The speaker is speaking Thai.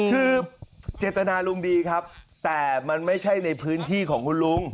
คือเจตนาลุงดีครับแต่มันไม่ใช่ในพื้นที่ของคุณลุง